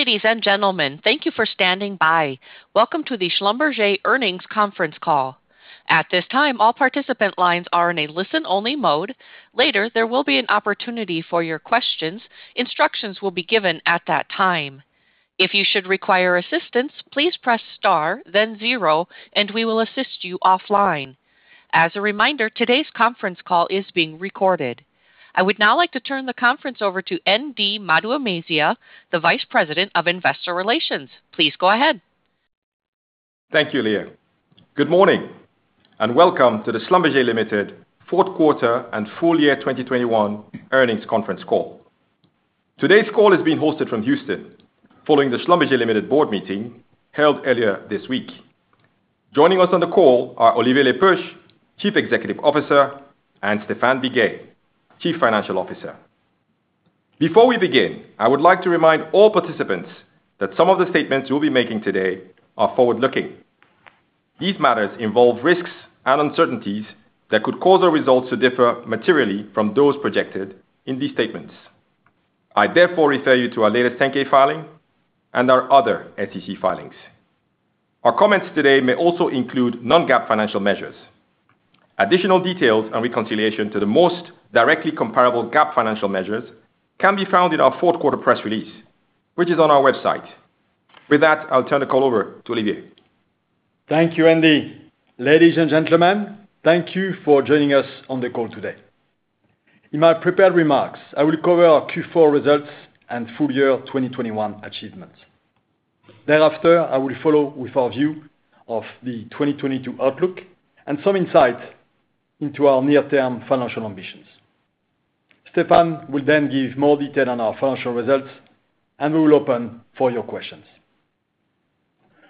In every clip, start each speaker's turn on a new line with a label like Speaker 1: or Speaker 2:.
Speaker 1: Ladies and gentlemen, thank you for standing by. Welcome to the Schlumberger earnings conference call. At this time, all participant lines are in a listen-only mode. Later, there will be an opportunity for your questions. Instructions will be given at that time. If you should require assistance, please press star, then zero, and we will assist you offline. As a reminder, today's conference call is being recorded. I would now like to turn the conference over to ND Maduemezia, the Vice President of Investor Relations. Please go ahead.
Speaker 2: Thank you, Lea. Good morning, and welcome to the Schlumberger Limited fourth quarter and full year 2021 earnings conference call. Today's call is being hosted from Houston following the Schlumberger Limited board meeting held earlier this week. Joining us on the call are Olivier Le Peuch, Chief Executive Officer, and Stephane Biguet, Chief Financial Officer. Before we begin, I would like to remind all participants that some of the statements we'll be making today are forward-looking. These matters involve risks and uncertainties that could cause our results to differ materially from those projected in these statements. I therefore refer you to our latest 10-K filing and our other SEC filings. Our comments today may also include non-GAAP financial measures. Additional details and reconciliation to the most directly comparable GAAP financial measures can be found in our fourth quarter press release, which is on our website. With that, I'll turn the call over to Olivier.
Speaker 3: Thank you, ND. Ladies and gentlemen, thank you for joining us on the call today. In my prepared remarks, I will cover our Q4 results and full year 2021 achievements. Thereafter, I will follow with our view of the 2022 outlook and some insight into our near-term financial ambitions. Stephane will then give more detail on our financial results, and we will open for your questions.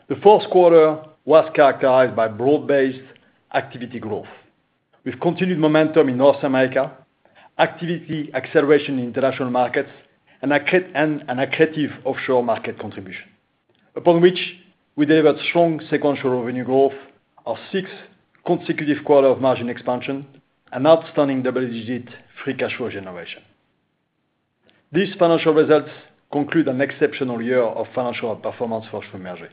Speaker 3: The fourth quarter was characterized by broad-based activity growth with continued momentum in North America, activity acceleration in international markets, and an accretive offshore market contribution upon which we delivered strong sequential revenue growth, our sixth consecutive quarter of margin expansion, and outstanding double-digit free cash flow generation. These financial results conclude an exceptional year of financial performance for Schlumberger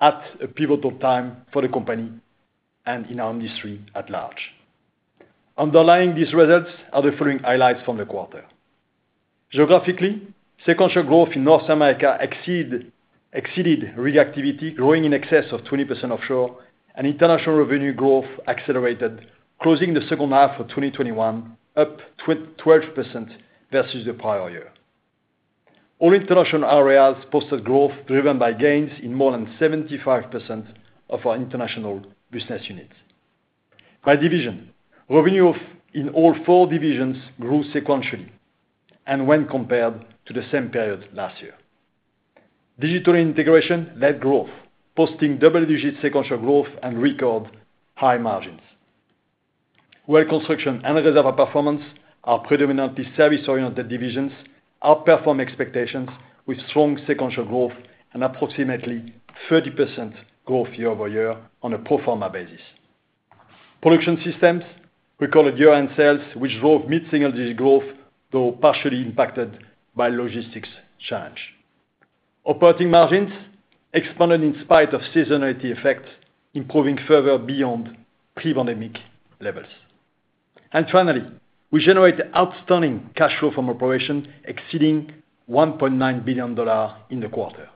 Speaker 3: at a pivotal time for the company and in our industry at large. Underlying these results are the following highlights from the quarter. Geographically, sequential growth in North America exceeded rig activity growing in excess of 20% offshore and international revenue growth accelerated, closing the second half of 2021 up 12% versus the prior year. All international areas posted growth driven by gains in more than 75% of our international business units. By division, revenue in all four divisions grew sequentially and when compared to the same period last year. Digital & Integration led growth, posting double-digit sequential growth and record high margins. Well Construction and Reservoir Performance are predominantly service-oriented divisions, outperformed expectations with strong sequential growth and approximately 30% growth year-over-year on a pro forma basis. Production Systems recorded year-end sales which drove mid-single digit growth, though partially impacted by logistics challenge. Operating margins expanded in spite of seasonality effects, improving further beyond pre-pandemic levels. Finally, we generate outstanding cash flow from operation exceeding $1.9 billion in the quarter.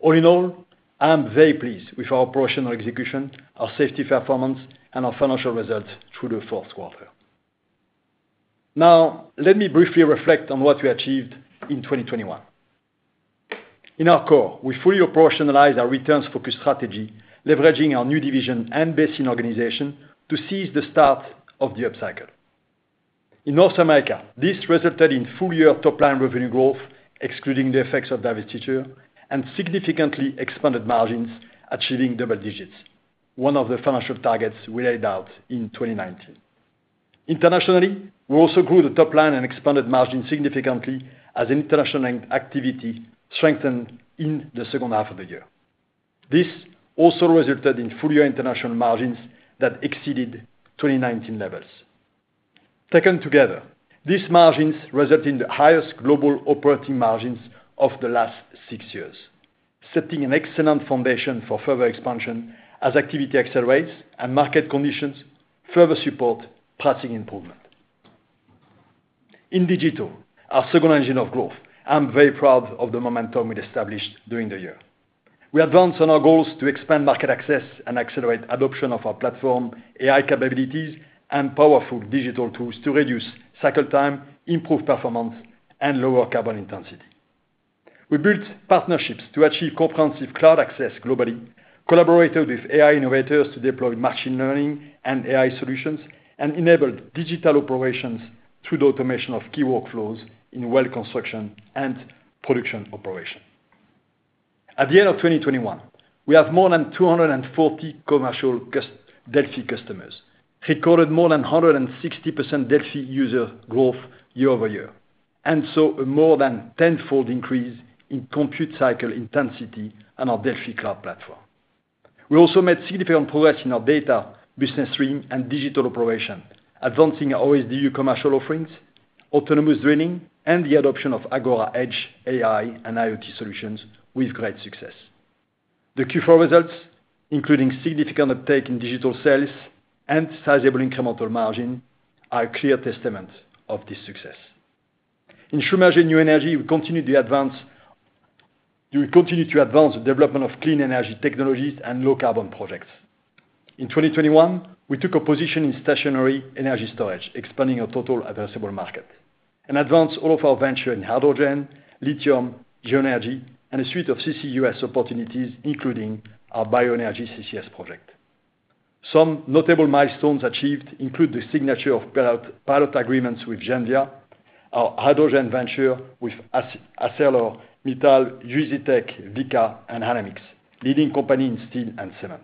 Speaker 3: All in all, I am very pleased with our operational execution, our safety performance, and our financial results through the fourth quarter. Now, let me briefly reflect on what we achieved in 2021. In our core, we fully operationalize our returns-focused strategy, leveraging our new division and basin organization to seize the start of the upcycle. In North America, this resulted in full-year top-line revenue growth, excluding the effects of divestitures and significantly expanded margins, achieving double digits, one of the financial targets we laid out in 2019. Internationally, we also grew the top line and expanded margins significantly as international activity strengthened in the second half of the year. This also resulted in full-year international margins that exceeded 2019 levels. Taken together, these margins result in the highest global operating margins of the last six years, setting an excellent foundation for further expansion as activity accelerates and market conditions further support pricing improvement. In Digital, our second engine of growth, I'm very proud of the momentum we established during the year. We advanced on our goals to expand market access and accelerate adoption of our platform, AI capabilities, and powerful digital tools to reduce cycle time, improve performance, and lower carbon intensity. We built partnerships to achieve comprehensive cloud access globally, collaborated with AI innovators to deploy machine learning and AI solutions, and enabled digital operations through the automation of key workflows in Well Construction and production operation. At the end of 2021, we have more than 240 commercial DELFI customers, recorded more than 160% DELFI user growth year-over-year, and saw a more than tenfold increase in compute cycle intensity on our DELFI cloud platform. We also made significant progress in our data, business streaming, and digital operation, advancing our OSDU commercial offerings, autonomous drilling, and the adoption of Agora Edge AI and IOT solutions with great success. The Q4 results, including significant uptake in digital sales and sizable incremental margin, are a clear testament of this success. In Schlumberger New Energy, we will continue to advance the development of clean energy technologies and low carbon projects. In 2021, we took a position in stationary energy storage, expanding our total addressable market, and advanced all of our venture in hydrogen, lithium, geoenergy, and a suite of CCUS opportunities, including our bioenergy CCS project. Some notable milestones achieved include the signature of pilot agreements with Genvia, our hydrogen venture with ArcelorMittal, Ugitech, Vicat, and Hynamics, leading company in steel and cement.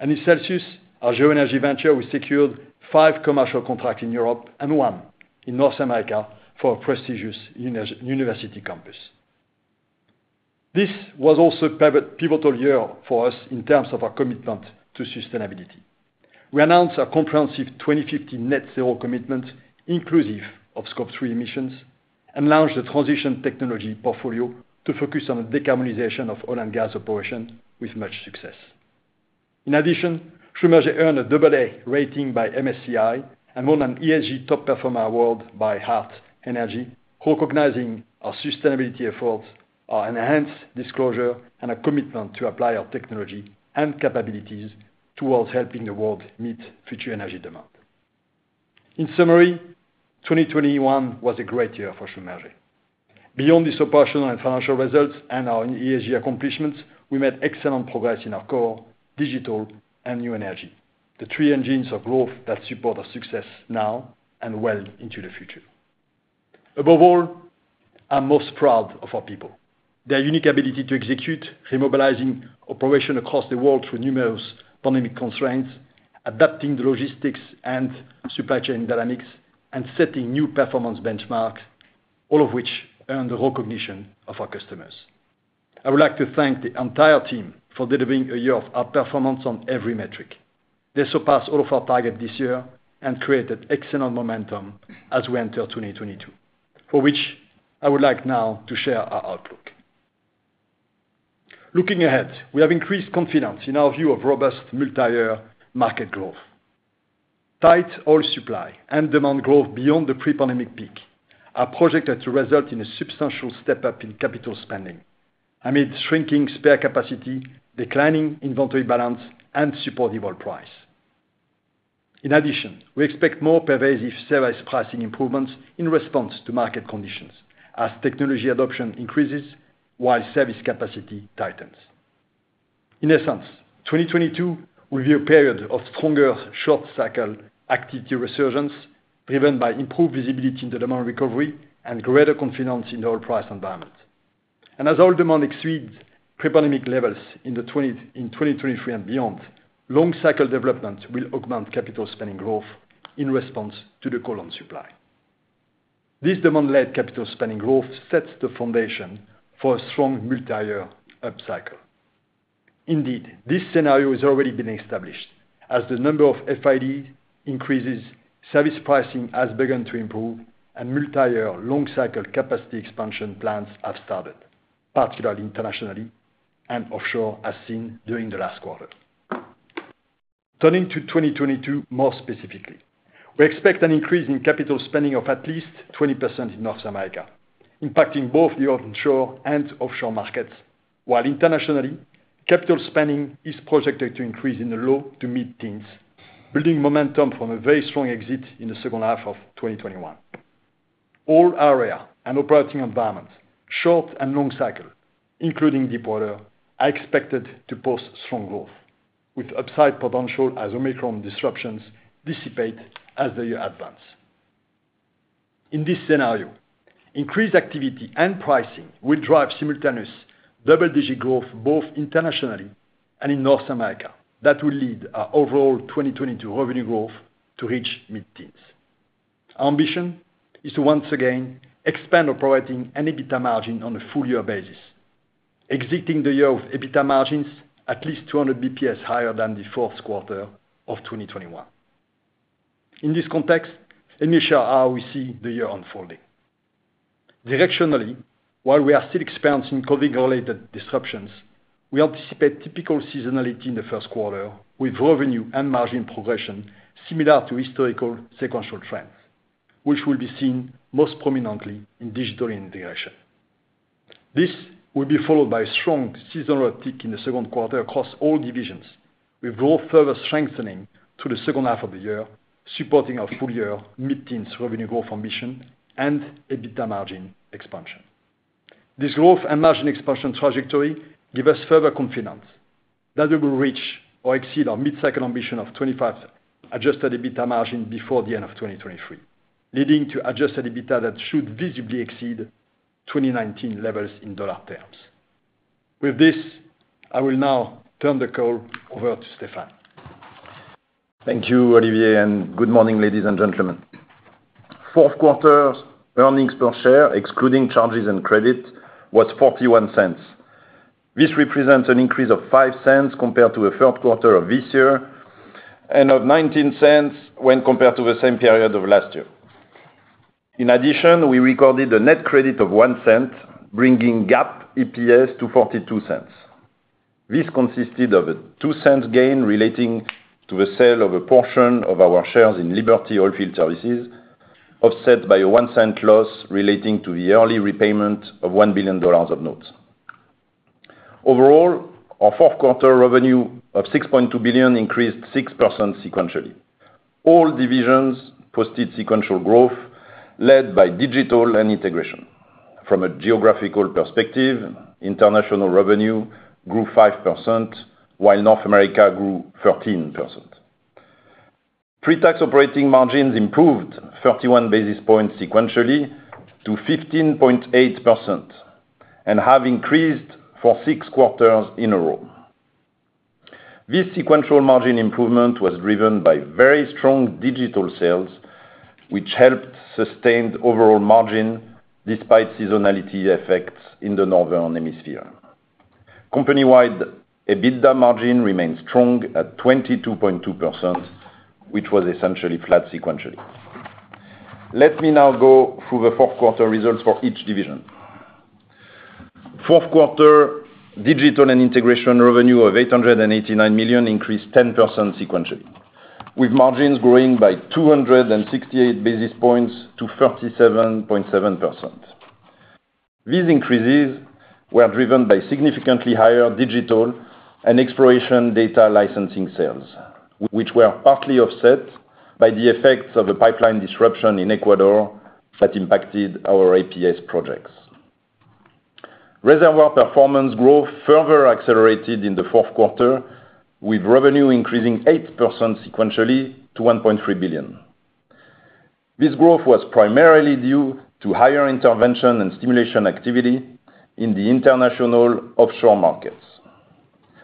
Speaker 3: In Celsius, our geoenergy venture, we secured five commercial contracts in Europe and one in North America for a prestigious university campus. This was also pivotal year for us in terms of our commitment to sustainability. We announced our comprehensive 2050 net zero commitment, inclusive of Scope 3 emissions, and launched the transition technology portfolio to focus on the decarbonization of oil and gas operations with much success. In addition, Schlumberger earned a AA rating by MSCI and won an ESG Top Performer Award by Hart Energy, recognizing our sustainability efforts, our enhanced disclosure, and a commitment to apply our technology and capabilities towards helping the world meet future energy demand. In summary, 2021 was a great year for Schlumberger. Beyond these operational and financial results and our ESG accomplishments, we made excellent progress in our core, digital and new energy, the three engines of growth that support our success now and well into the future. Above all, I'm most proud of our people, their unique ability to execute, remobilizing operation across the world through numerous pandemic constraints, adapting the logistics and supply chain dynamics and setting new performance benchmarks, all of which earn the recognition of our customers. I would like to thank the entire team for delivering a year of outperformance on every metric. They surpassed all of our target this year and created excellent momentum as we enter 2022, for which I would like now to share our outlook. Looking ahead, we have increased confidence in our view of robust multiyear market growth. Tight oil supply and demand growth beyond the pre-pandemic peak are projected to result in a substantial step-up in capital spending amid shrinking spare capacity, declining inventory balance, and supportive oil price. In addition, we expect more pervasive service pricing improvements in response to market conditions as technology adoption increases while service capacity tightens. In essence, 2022 will be a period of stronger short-cycle activity resurgence, driven by improved visibility in the demand recovery and greater confidence in the oil price environment. As oil demand exceeds pre-pandemic levels in 2023 and beyond, long-cycle development will augment capital spending growth in response to the demand-supply. This demand-led capital spending growth sets the foundation for a strong multi-year upcycle. Indeed, this scenario has already been established as the number of FID increases, service pricing has begun to improve, and multi-year long-cycle capacity expansion plans have started, particularly internationally and offshore, as seen during the last quarter. Turning to 2022, more specifically, we expect an increase in capital spending of at least 20% in North America, impacting both the onshore and offshore markets, while internationally, capital spending is projected to increase in the low- to mid-teens, building momentum from a very strong exit in the second half of 2021. All area and operating environments, short and long cycle, including deepwater, are expected to post strong growth, with upside potential as Omicron disruptions dissipate as the year advance. In this scenario, increased activity and pricing will drive simultaneous double-digit growth, both internationally and in North America. That will lead our overall 2022 revenue growth to reach mid-teens. Our ambition is to once again expand operating and EBITDA margin on a full year basis, exiting the year of EBITDA margins at least 200 basis points higher than the fourth quarter of 2021. In this context, let me share how we see the year unfolding. Directionally, while we are still experiencing COVID-related disruptions, we anticipate typical seasonality in the first quarter with revenue and margin progression similar to historical sequential trends, which will be seen most prominently in Digital & Integration. This will be followed by a strong seasonal uptick in the second quarter across all divisions, with growth further strengthening through the second half of the year, supporting our full year mid-teens revenue growth ambition and EBITDA margin expansion. This growth and margin expansion trajectory give us further confidence that we will reach or exceed our mid-cycle ambition of 25% adjusted EBITDA margin before the end of 2023, leading to adjusted EBITDA that should visibly exceed 2019 levels in dollar terms. With this, I will now turn the call over to Stephane.
Speaker 4: Thank you, Olivier, and good morning, ladies and gentlemen. Fourth quarter earnings per share, excluding charges and credit, was $0.41. This represents an increase of $0.05 compared to the third quarter of this year, and of $0.19 when compared to the same period of last year. In addition, we recorded a net credit of $0.01, bringing GAAP EPS to $0.42. This consisted of a $0.02 gain relating to the sale of a portion of our shares in Liberty Oilfield Services, offset by a $0.01 loss relating to the early repayment of $1 billion of notes. Overall, our fourth quarter revenue of $6.2 billion increased 6% sequentially. All divisions posted sequential growth led by Digital & Integration. From a geographical perspective, international revenue grew 5%, while North America grew 13%. Pre-tax operating margins improved 31 basis points sequentially to 15.8% and have increased for six quarters in a row. This sequential margin improvement was driven by very strong digital sales, which helped sustain overall margins, despite seasonality effects in the Northern Hemisphere. Company-wide, EBITDA margin remained strong at 22.2%, which was essentially flat sequentially. Let me now go through the fourth quarter results for each division. Fourth quarter Digital & Integration revenue of $889 million increased 10% sequentially, with margins growing by 268 basis points to 37.7%. These increases were driven by significantly higher digital and exploration data licensing sales, which were partly offset by the effects of a pipeline disruption in Ecuador that impacted our APS projects. Reservoir Performance growth further accelerated in the fourth quarter, with revenue increasing 8% sequentially to $1.3 billion. This growth was primarily due to higher intervention and stimulation activity in the international offshore markets.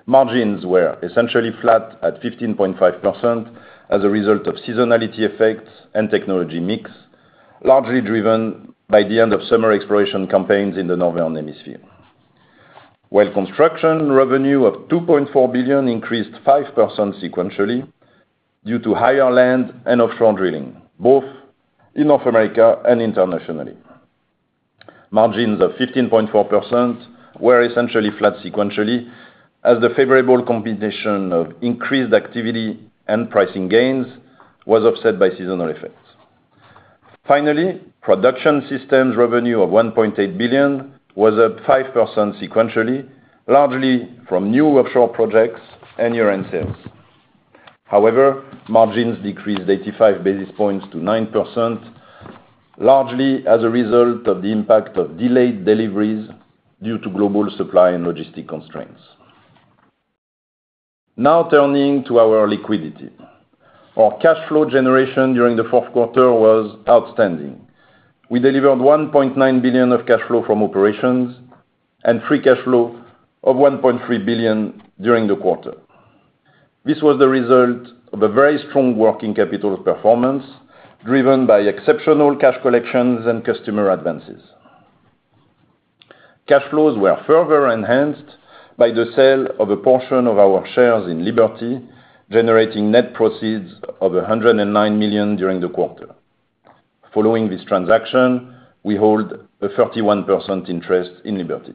Speaker 4: Margins were essentially flat at 15.5% as a result of seasonality effects and technology mix, largely driven by the end of summer exploration campaigns in the Northern Hemisphere. Well Construction revenue of $2.4 billion increased 5% sequentially due to higher land and offshore drilling, both in North America and internationally. Margins of 15.4% were essentially flat sequentially as the favorable combination of increased activity and pricing gains was offset by seasonal effects. Finally, Production Systems revenue of $1.8 billion was up 5% sequentially, largely from new offshore projects and year-end sales. However, margins decreased 85 basis points to 9%, largely as a result of the impact of delayed deliveries due to global supply and logistic constraints. Now turning to our liquidity. Our cash flow generation during the fourth quarter was outstanding. We delivered $1.9 billion of cash flow from operations and free cash flow of $1.3 billion during the quarter. This was the result of a very strong working capital performance, driven by exceptional cash collections and customer advances. Cash flows were further enhanced by the sale of a portion of our shares in Liberty, generating net proceeds of $109 million during the quarter. Following this transaction, we hold a 31% interest in Liberty.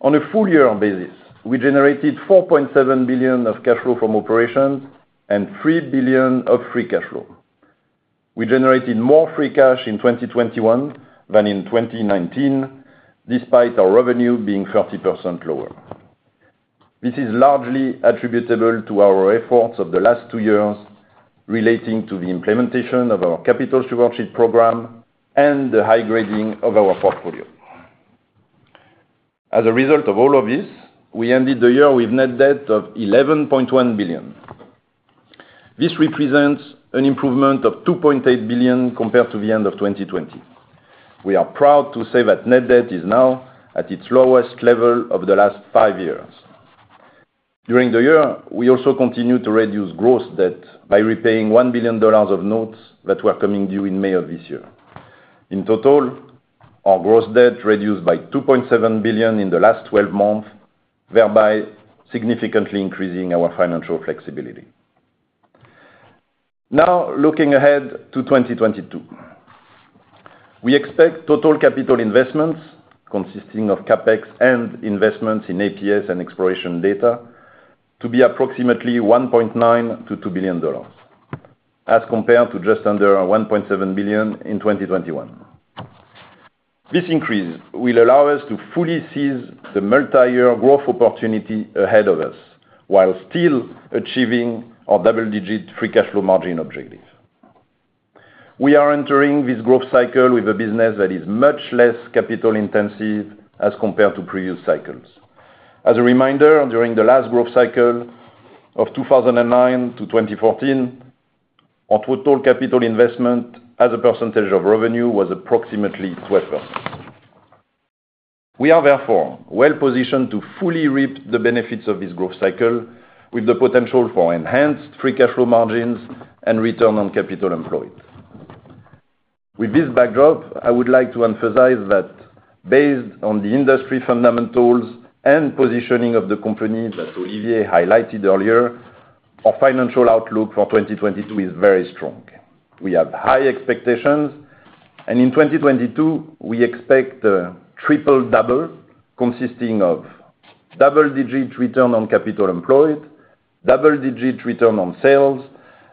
Speaker 4: On a full year basis, we generated $4.7 billion of cash flow from operations and $3 billion of free cash flow. We generated more free cash in 2021 than in 2019, despite our revenue being 30% lower. This is largely attributable to our efforts of the last two years relating to the implementation of our capital stewardship program and the high grading of our portfolio. As a result of all of this, we ended the year with net debt of $11.1 billion. This represents an improvement of $2.8 billion compared to the end of 2020. We are proud to say that net debt is now at its lowest level of the last five years. During the year, we also continued to reduce gross debt by repaying $1 billion of notes that were coming due in May of this year. In total, our gross debt reduced by $2.7 billion in the last 12 months, thereby significantly increasing our financial flexibility. Now, looking ahead to 2022. We expect total capital investments consisting of CapEx and investments in APS and exploration data to be approximately $1.9 billion-$2 billion as compared to just under $1.7 billion in 2021. This increase will allow us to fully seize the multi-year growth opportunity ahead of us while still achieving our double-digit free cash flow margin objective. We are entering this growth cycle with a business that is much less capital intensive as compared to previous cycles. As a reminder, during the last growth cycle of 2009-2014, our total capital investment as a percentage of revenue was approximately 12%. We are therefore well positioned to fully reap the benefits of this growth cycle with the potential for enhanced free cash flow margins and return on capital employed. With this backdrop, I would like to emphasize that based on the industry fundamentals and positioning of the company that Olivier highlighted earlier, our financial outlook for 2022 is very strong. We have high expectations, and in 2022, we expect a triple double consisting of double-digit return on capital employed, double-digit return on sales,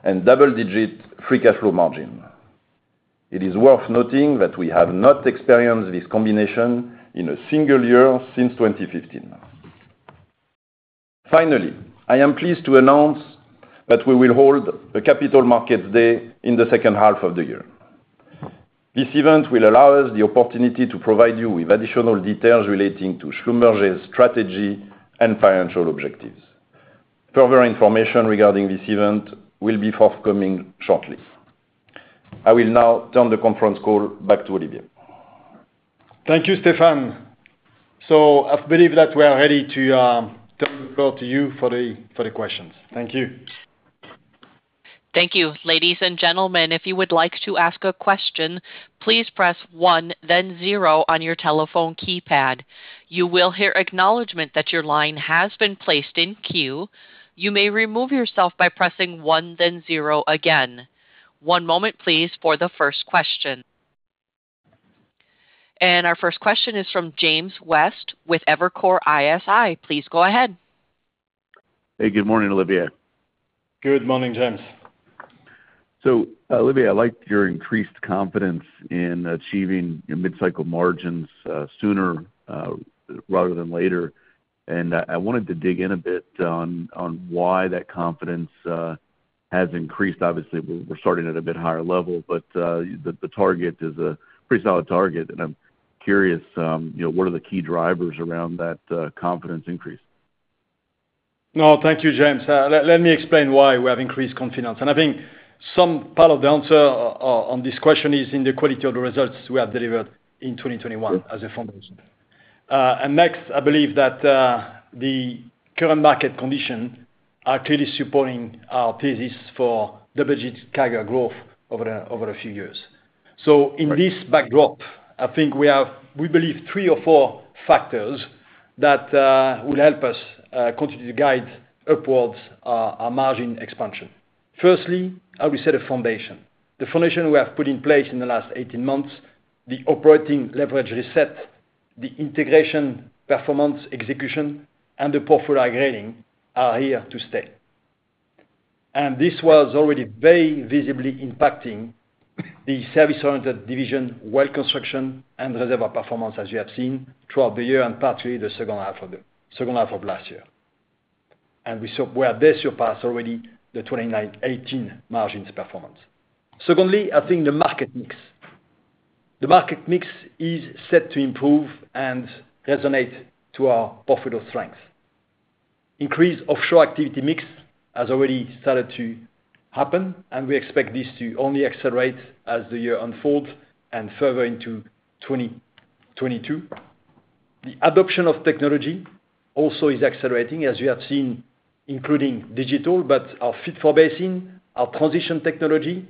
Speaker 4: and double-digit free cash flow margin. It is worth noting that we have not experienced this combination in a single year since 2015. Finally, I am pleased to announce that we will hold a Capital Markets Day in the second half of the year. This event will allow us the opportunity to provide you with additional details relating to Schlumberger's strategy and financial objectives. Further information regarding this event will be forthcoming shortly. I will now turn the conference call back to Olivier.
Speaker 3: Thank you, Stephane. I believe that we are ready to turn the call to you for the questions. Thank you.
Speaker 1: Thank you. Ladies and gentlemen, if you would like to ask a question, please press one then zero on your telephone keypad. You will hear acknowledgement that your line has been placed in queue. You may remove yourself by pressing one then zero again. One moment please for the first question. Our first question is from James West with Evercore ISI. Please go ahead.
Speaker 5: Hey, good morning, Olivier.
Speaker 3: Good morning, James.
Speaker 5: Olivier, I liked your increased confidence in achieving mid-cycle margins sooner rather than later. I wanted to dig in a bit on why that confidence has increased. Obviously, we're starting at a bit higher level, but the target is a pretty solid target. I'm curious, you know, what are the key drivers around that confidence increase?
Speaker 3: No, thank you, James. Let me explain why we have increased confidence. I think some part of the answer on this question is in the quality of the results we have delivered in 2021 as a foundation. Next, I believe that the current market conditions are clearly supporting our thesis for double-digit CAGR growth over a few years. In this backdrop, I think we believe three or four factors that will help us continue to guide upwards our margin expansion. Firstly, the foundation we have put in place in the last 18 months, the operating leverage reset, the integration performance execution, and the portfolio grading are here to stay. This was already very visibly impacting the service-oriented division Well Construction and Reservoir Performance as you have seen throughout the year and partially the second half of last year. We saw where this already surpassed the 2018 margins performance. Secondly, I think the market mix is set to improve and resonate to our portfolio strength. Increased offshore activity mix has already started to happen, and we expect this to only accelerate as the year unfolds and further into 2022. The adoption of technology also is accelerating, as you have seen, including digital, but our fit for basin, our transition technology,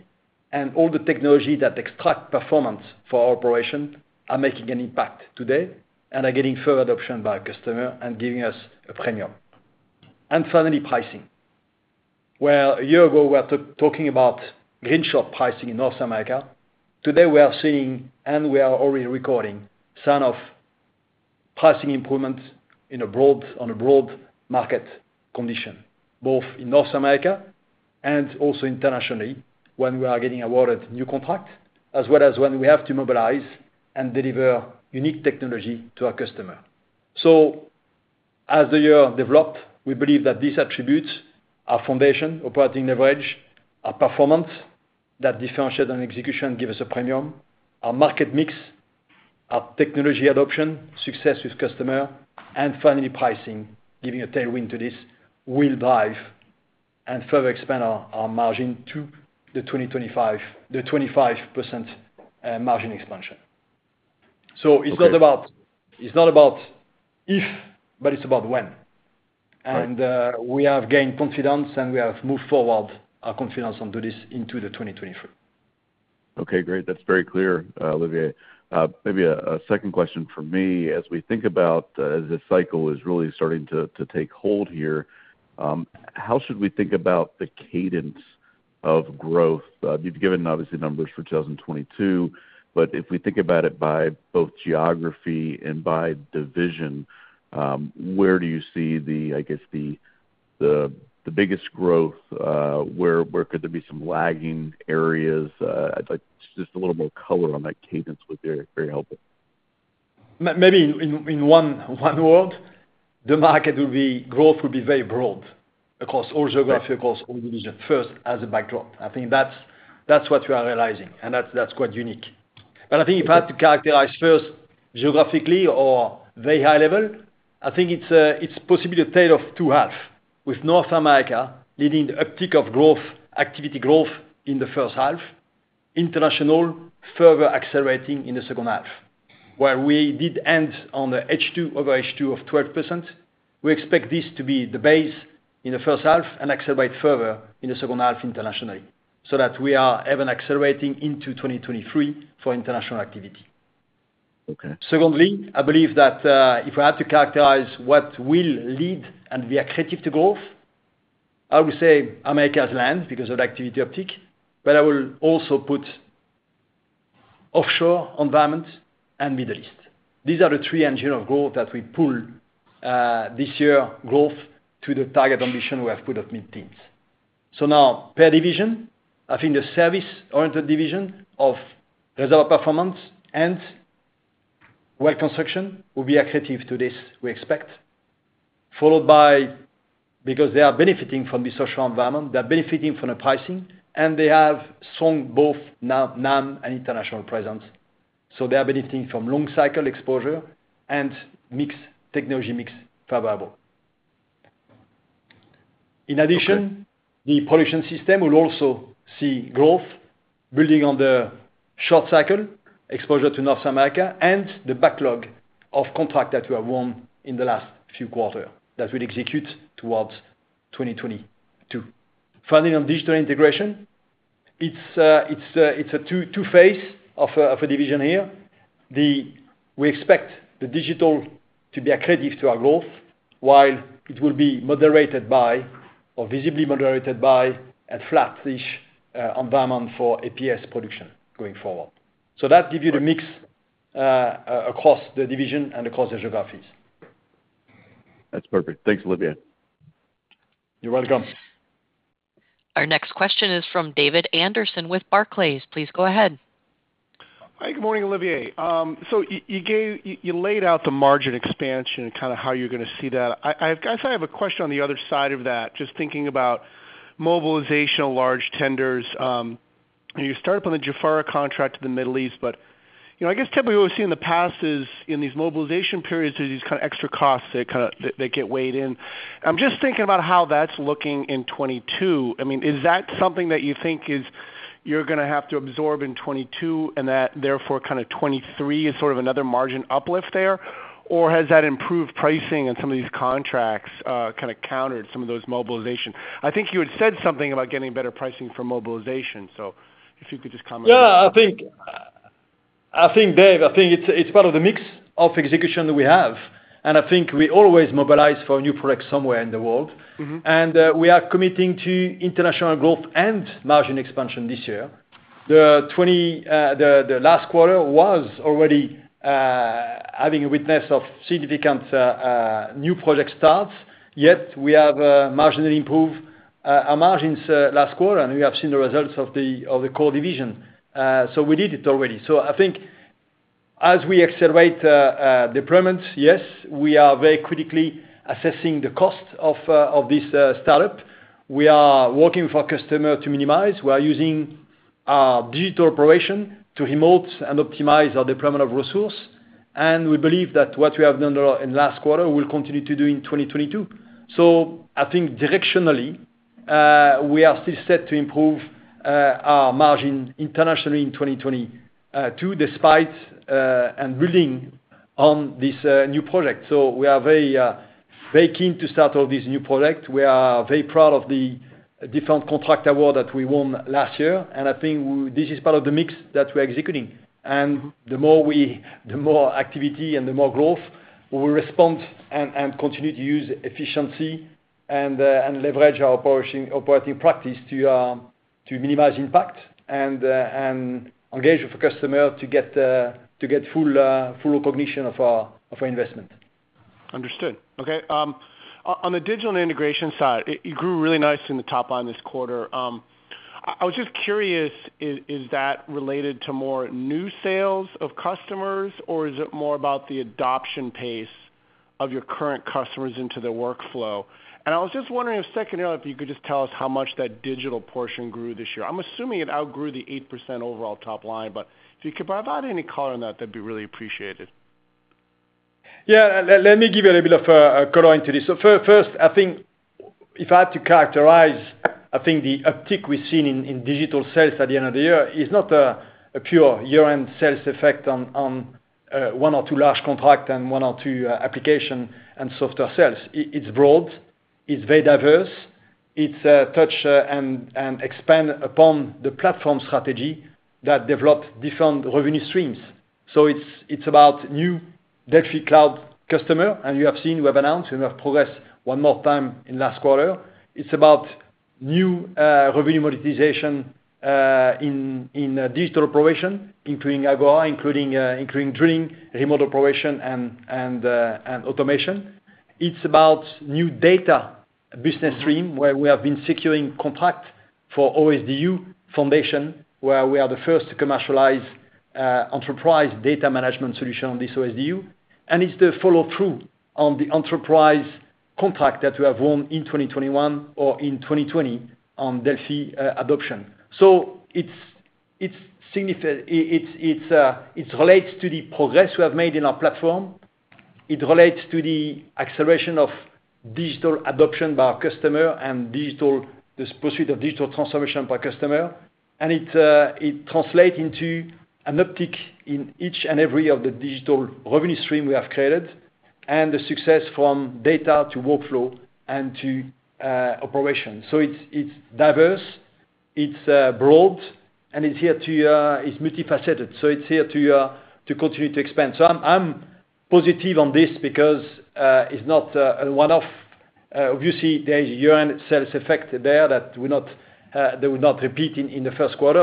Speaker 3: and all the technology that extract performance for our operation are making an impact today and are getting further adoption by our customer and giving us a premium. Finally, pricing. Where a year ago, we were talking about green shoots pricing in North America, today we are seeing and we are already recording sign of pricing improvements on a broad market condition, both in North America and also internationally, when we are getting awarded new contract, as well as when we have to mobilize and deliver unique technology to our customer. As the year developed, we believe that these attributes, our foundation, operating leverage, our performance that differentiate on execution give us a premium, our market mix, our technology adoption, success with customer, and finally pricing, giving a tailwind to this, will drive and further expand our margin to the 25% margin expansion. It's not about if, but it's about when.
Speaker 5: Right.
Speaker 3: We have gained confidence, and we have moved forward our confidence on to this into 2023.
Speaker 5: Okay, great. That's very clear, Olivier. Maybe a second question from me. As we think about the cycle is really starting to take hold here, how should we think about the cadence of growth? You've given obviously numbers for 2022, but if we think about it by both geography and by division, where do you see, I guess, the biggest growth? Where could there be some lagging areas? I'd like just a little more color on that cadence would be very helpful.
Speaker 3: Maybe in one world, growth will be very broad across all geography, across all division, first as a backdrop. I think that's what we are realizing, and that's quite unique. I think if I had to characterize first geographically or very high level, I think it's possibly a tale of two halves, with North America leading the uptick of growth, activity growth in the first half, international further accelerating in the second half. Where we did end on the H2 over H2 of 12%, we expect this to be the base in the first half and accelerate further in the second half internationally, so that we are even accelerating into 2023 for international activity.
Speaker 5: Okay.
Speaker 3: Secondly, I believe that if I had to characterize what will lead and be accretive to growth, I would say Americas land because of activity uptick, but I will also put offshore environment and Middle East. These are the three engines of growth that will pull this year growth to the target ambition we have put at mid-teens. Now per division, I think the service-oriented divisions of Reservoir Performance and Well Construction will be accretive to this, we expect. Followed by because they are benefiting from this offshore environment, they are benefiting from the pricing, and they have strong both NAM and international presence. They are benefiting from long cycle exposure and technology mix favorable. In addition, the Production Systems will also see growth building on the short-cycle exposure to North America and the backlog of contracts that we have won in the last few quarters that will execute towards 2022. Finally, on Digital & Integration, it's a two-phase of a division here. We expect the Digital to be accretive to our growth while it will be visibly moderated by a flat-ish environment for APS production going forward. That gives you the mix across the division and across geographies.
Speaker 5: That's perfect. Thanks, Olivier.
Speaker 3: You're welcome.
Speaker 1: Our next question is from David Anderson with Barclays. Please go ahead.
Speaker 6: Hi, good morning, Olivier. So you laid out the margin expansion and kind of how you're gonna see that. I guess I have a question on the other side of that, just thinking about mobilization of large tenders. You start up on the Jafurah contract in the Middle East, but you know, I guess typically what we've seen in the past is in these mobilization periods, there's these kind of extra costs that get weighed in. I'm just thinking about how that's looking in 2022. I mean, is that something that you think you're gonna have to absorb in 2022 and that therefore kind of 2023 is sort of another margin uplift there? Or has that improved pricing in some of these contracts kind of countered some of those mobilization? I think you had said something about getting better pricing for mobilization. If you could just comment on that.
Speaker 3: Yeah. I think, Dave, I think it's part of the mix of execution that we have. I think we always mobilize for a new project somewhere in the world.
Speaker 6: Mm-hmm.
Speaker 3: We are committing to international growth and margin expansion this year. The last quarter was already having witnessed significant new project starts, yet we have marginally improved our margins last quarter, and we have seen the results of the core division. We did it already. I think as we accelerate deployments, yes, we are very critically assessing the cost of this startup. We are working with customers to minimize. We are using digital operations to remotely and optimize our deployment of resources. We believe that what we have done in the last quarter, we'll continue to do in 2022. I think directionally, we are still set to improve our margin internationally in 2022, despite and building on this new project. We are very, very keen to start all these new projects. We are very proud of the different contract award that we won last year. I think this is part of the mix that we're executing. The more activity and the more growth, we will respond and continue to use efficiency and leverage our operating practice to minimize impact and engage with the customer to get full recognition of our investment.
Speaker 6: Understood. Okay. On the Digital & Integration side, it grew really nice in the top line this quarter. I was just curious, is that related to more new sales of customers, or is it more about the adoption pace of your current customers into the workflow? I was just wondering a second here if you could just tell us how much that digital portion grew this year. I'm assuming it outgrew the 8% overall top line, but if you could provide any color on that'd be really appreciated.
Speaker 3: Yeah. Let me give you a little bit of color into this. First, I think if I had to characterize, I think the uptick we've seen in digital sales at the end of the year is not a pure year-end sales effect on one or two large contract and one or two application and software sales. It's broad, it's very diverse. It touches and expands upon the platform strategy that developed different revenue streams. It's about new DELFI Cloud customer. And you have seen, we have announced, and we have progressed one more time in last quarter. It's about new revenue monetization in digital operation, including Agora, including drilling, remote operation, and automation. It's about new data business stream where we have been securing contract for OSDU foundation, where we are the first to commercialize enterprise data management solution on this OSDU. It's the follow through on the enterprise contract that we have won in 2021 or in 2020 on DELFI adoption. It relates to the progress we have made in our platform. It relates to the acceleration of digital adoption by our customer and this pursuit of digital transformation by customer. It translate into an uptick in each and every of the digital revenue stream we have created and the success from data to workflow and to operation. It's diverse, it's broad, and it's here, too, is multifaceted. It's here to continue to expand. I'm positive on this because it's not a one-off. Obviously, there is a year-end sales effect there that will not repeat in the first quarter.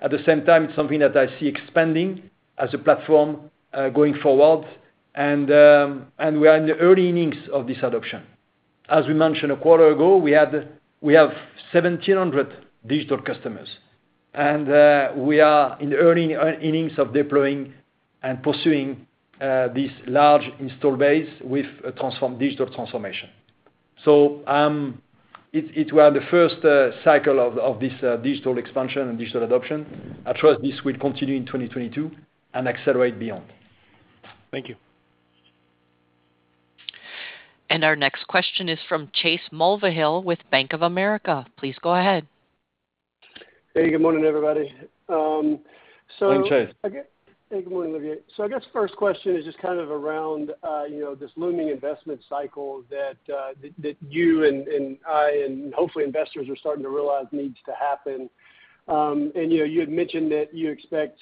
Speaker 3: At the same time, it's something that I see expanding as a platform going forward. We are in the early innings of this adoption. As we mentioned a quarter ago, we have 1,700 digital customers. We are in the early innings of deploying and pursuing this large installed base with a digital transformation. It was the first cycle of this digital expansion and digital adoption. I trust this will continue in 2022 and accelerate beyond.
Speaker 6: Thank you.
Speaker 1: Our next question is from Chase Mulvehill with Bank of America. Please go ahead.
Speaker 7: Hey, good morning, everybody.
Speaker 3: Good morning, Chase.
Speaker 7: Hey, good morning, Olivier. I guess first question is just kind of around, you know, this looming investment cycle that you and I and hopefully investors are starting to realize needs to happen. You know, you had mentioned that you expect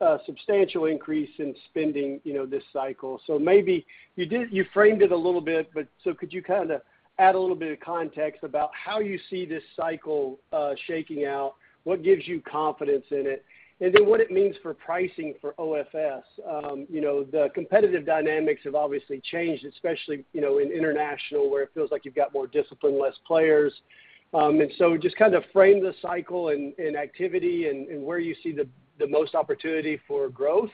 Speaker 7: a substantial increase in spending, you know, this cycle. Maybe you framed it a little bit, but could you kinda add a little bit of context about how you see this cycle shaking out? What gives you confidence in it? And then what it means for pricing for OFS? You know, the competitive dynamics have obviously changed, especially, you know, in international, where it feels like you've got more discipline, less players. Just kind of frame the cycle and activity and where you see the most opportunity for growth,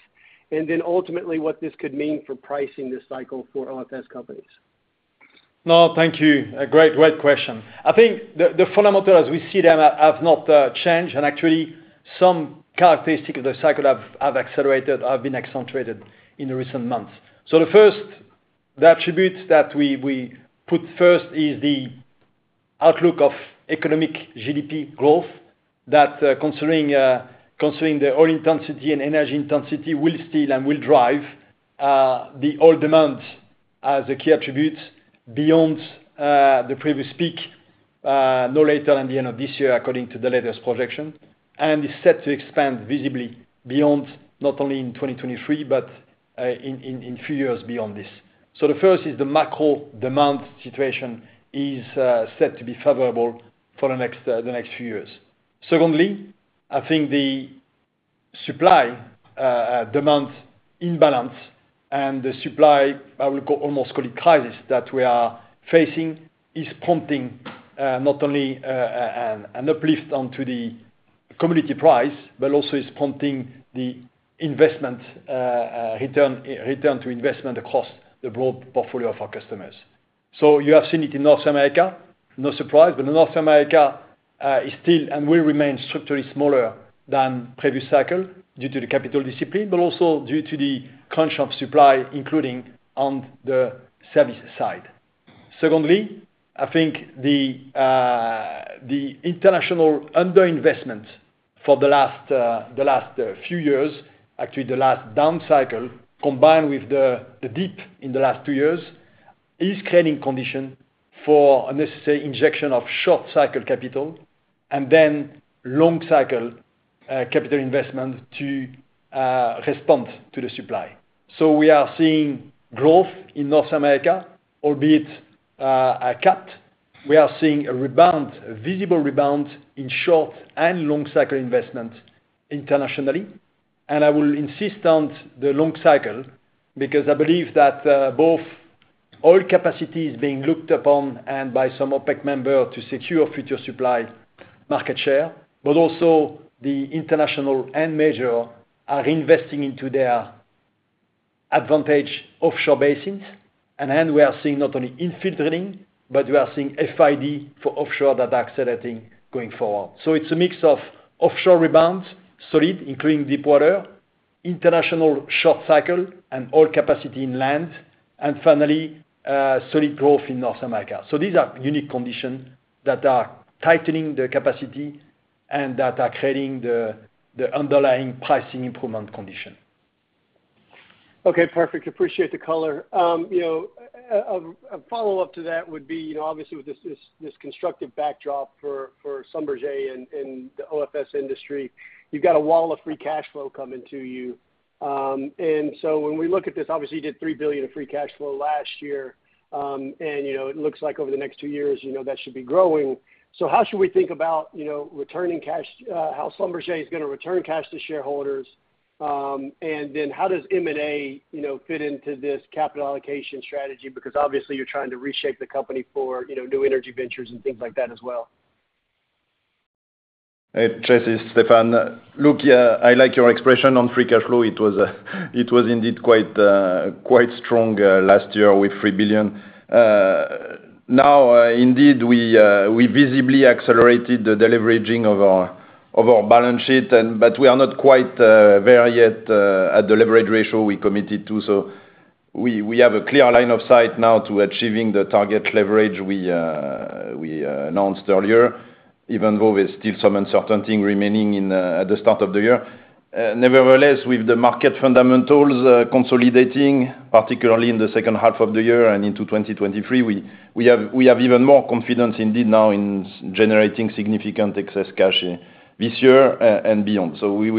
Speaker 7: and then ultimately what this could mean for pricing this cycle for OFS companies.
Speaker 3: No, thank you. A great question. I think the fundamentals as we see them have not changed, and actually some characteristics of the cycle have accelerated, have been accentuated in the recent months. The first attribute that we put first is the outlook of economic GDP growth that considering the oil intensity and energy intensity will still and will drive the oil demand as a key attribute beyond the previous peak no later than the end of this year, according to the latest projection, and is set to expand visibly beyond not only in 2023 but in a few years beyond this. The first is the macro demand situation is set to be favorable for the next few years. Secondly, I think the supply demand imbalance and the supply I almost call it tardiness that we are facing is prompting not only an uplift in the commodity price, but also is prompting the investment return to investment across the broad portfolio of our customers. You have seen it in North America, no surprise. North America is still and will remain structurally smaller than previous cycle due to the capital discipline, but also due to the crunch of supply, including on the service side. Secondly, I think the international underinvestment for the last few years, actually the last down cycle, combined with the dip in the last two years, is creating conditions for a necessary injection of short cycle capital and then long cycle capital investment to respond to the supply. We are seeing growth in North America, albeit a cut. We are seeing a rebound, a visible rebound in short and long cycle investment internationally. I will insist on the long cycle because I believe that both oil capacity is being looked upon and by some OPEC member to secure future supply market share, but also the international NOCs are investing into their advantaged offshore basins. We are seeing not only infill drilling, but we are seeing FID for offshore that are accelerating going forward. It's a mix of offshore rebounds, solid, including deepwater, international short cycle and oil capacity onshore, and finally, solid growth in North America. These are unique conditions that are tightening the capacity and that are creating the underlying pricing improvement condition.
Speaker 7: Okay, perfect. Appreciate the color. A follow-up to that would be, you know, obviously with this constructive backdrop for Schlumberger and the OFS industry, you've got a wall of free cash flow coming to you. When we look at this, obviously you did $3 billion of free cash flow last year. You know, it looks like over the next two years, you know, that should be growing. How should we think about, you know, returning cash, how Schlumberger is gonna return cash to shareholders? Then how does M&A, you know, fit into this capital allocation strategy? Because obviously you're trying to reshape the company for, you know, new energy ventures and things like that as well.
Speaker 4: Hey, Chase, it's Stephane. Look, yeah, I like your expression on free cash flow. It was indeed quite strong last year with $3 billion. Now, indeed, we visibly accelerated the deleveraging of our balance sheet, but we are not quite there yet at the leverage ratio we committed to. We have a clear line of sight now to achieving the target leverage we announced earlier, even though there's still some uncertainty remaining at the start of the year. Nevertheless, with the market fundamentals consolidating, particularly in the second half of the year and into 2023, we have even more confidence indeed now in generating significant excess cash this year and beyond. We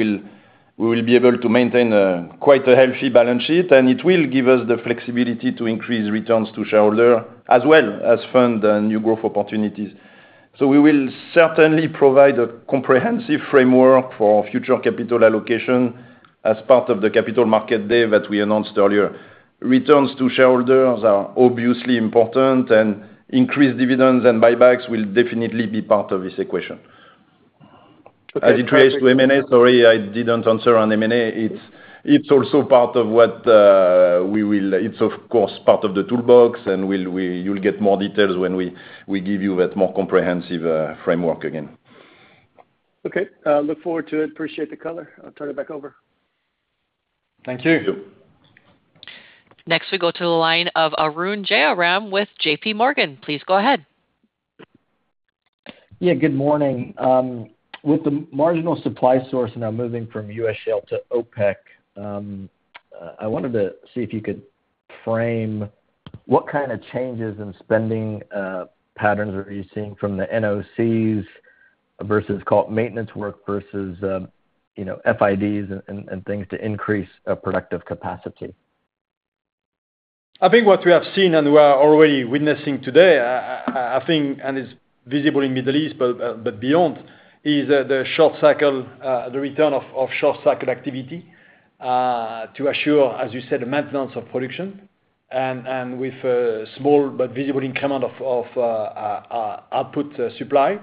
Speaker 4: will be able to maintain quite a healthy balance sheet, and it will give us the flexibility to increase returns to shareholder, as well as fund the new growth opportunities. We will certainly provide a comprehensive framework for future capital allocation as part of the Capital Markets Day that we announced earlier. Returns to shareholders are obviously important, and increased dividends and buybacks will definitely be part of this equation.
Speaker 7: Okay, Perfect.
Speaker 4: As it relates to M&A, sorry, I didn't answer on M&A. It's also part of what it's of course part of the toolbox, and you'll get more details when we give you that more comprehensive framework again.
Speaker 7: Okay. Look forward to it. Appreciate the color. I'll turn it back over.
Speaker 3: Thank you.
Speaker 4: Thank you.
Speaker 1: Next we go to the line of Arun Jayaram with JPMorgan. Please go ahead.
Speaker 8: Yeah, good morning. With the marginal supply source now moving from U.S. shale to OPEC, I wanted to see if you could frame what kind of changes in spending patterns are you seeing from the NOCs versus, call it, maintenance work versus FIDs and things to increase productive capacity.
Speaker 3: I think what we have seen and we are already witnessing today, I think, and it's visible in Middle East, but beyond, is the short cycle, the return of short cycle activity, to assure, as you said, maintenance of production and with a small but visible increment of output supply.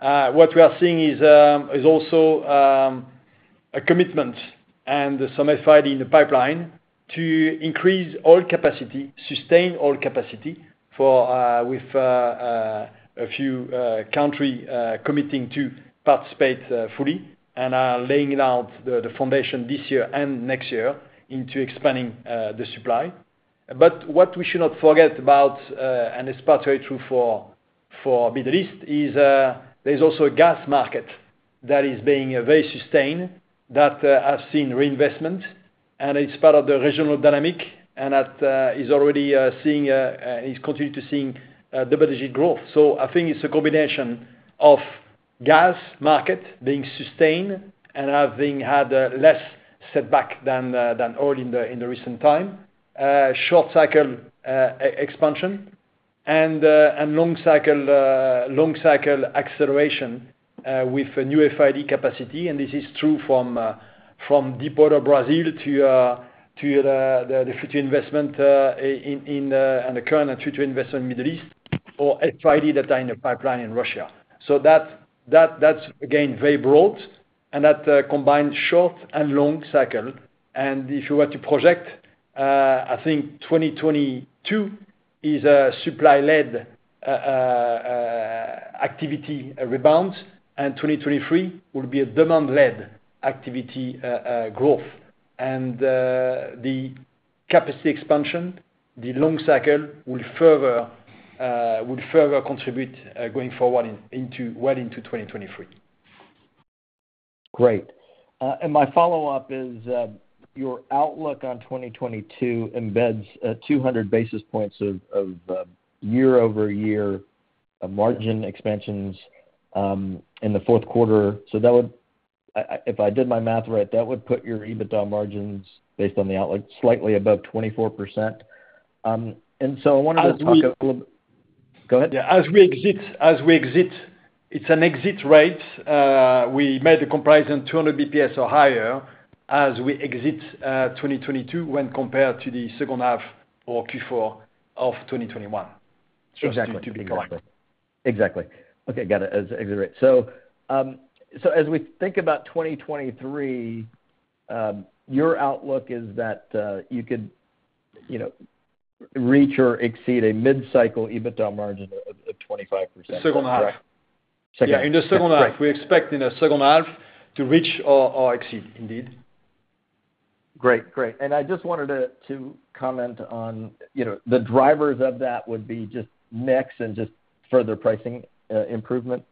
Speaker 3: What we are seeing is also a commitment and some FID in the pipeline to increase oil capacity, sustain oil capacity with a few countries committing to participate fully and are laying out the foundation this year and next year into expanding the supply. What we should not forget about, and it's particularly true for Middle East, is there's also a gas market that is being very sustained that has seen reinvestment, and it's part of the regional dynamic and that is already seeing, is continuing to see double-digit growth. I think it's a combination of gas market being sustained and having had less setback than than oil in the recent time. Short cycle expansion and long cycle acceleration with a new FID capacity, and this is true from deepwater Brazil to the future investment in and the current and future investment in Middle East and FID that are in the pipeline in Russia. That's again very broad and that combines short and long cycle. If you were to project, I think 2022 is a supply-led activity rebound, and 2023 will be a demand-led activity growth. The capacity expansion, the long cycle will further contribute going forward into 2023.
Speaker 8: Great. My follow-up is your outlook on 2022 embeds 200 basis points of year-over-year margin expansions in the fourth quarter. That would, if I did my math right, put your EBITDA margins based on the outlook slightly above 24%. I wanted to talk a little bit.
Speaker 3: As we-
Speaker 8: Go ahead.
Speaker 3: Yeah. As we exit, it's an exit rate. We made a comparison 200 bps or higher as we exit 2022 when compared to the second half or Q4 of 2021.
Speaker 8: Exactly.
Speaker 3: Just to be clear.
Speaker 8: Exactly. Okay. Got it. That's exactly right. So as we think about 2023, your outlook is that you could, you know, reach or exceed a mid-cycle EBITDA margin of 25%.
Speaker 3: Second half.
Speaker 8: Second half.
Speaker 3: Yeah. In the second half.
Speaker 8: Great.
Speaker 3: We expect in the second half to reach or exceed indeed.
Speaker 8: Great. I just wanted to comment on, you know, the drivers of that would be just mix and just further pricing improvement.